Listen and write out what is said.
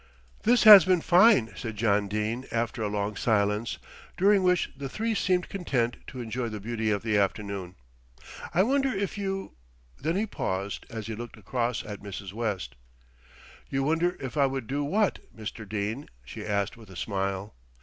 "This has been fine," said John Dene after a long silence, during which the three seemed content to enjoy the beauty of the afternoon. "I wonder if you " Then he paused, as he looked across at Mrs. West. "You wonder if I would what, Mr. Dene?" she asked with a smile.